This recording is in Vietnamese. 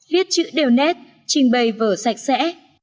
viết chữ đều nét trình bày vở sạch sẽ